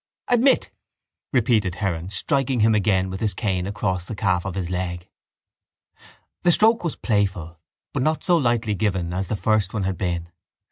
—Admit! repeated Heron, striking him again with his cane across the calf of the leg. The stroke was playful but not so lightly given as the first one had been.